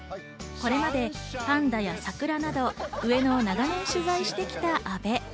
これまでパンダや桜など、上野を長年取材してきた阿部。